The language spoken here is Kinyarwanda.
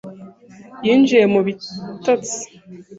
yinjiye mu bitotsi.